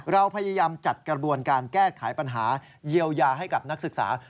เราพยายามจัดกระบวนการแก้ไขปัญหาเยียวยาให้กับนักศึกษา